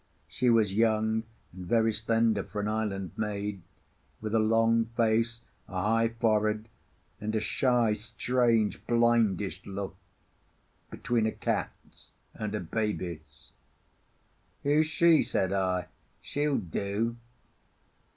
She was young and very slender for an island maid, with a long face, a high forehead, and a shy, strange, blindish look, between a cat's and a baby's. "Who's she?" said I. "She'll do."